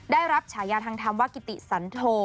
ได้รับฉายาทางธรรมว่ากิติสันโท